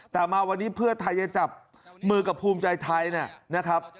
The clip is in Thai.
แต่มาวันนี้เพื่อไทยจะจับมือกับภูมิใจไทยนะครับ